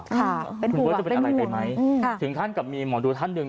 คุณเบิร์ตจะเป็นอะไรไปไหมถึงขั้นกับมีหมอดูท่านหนึ่ง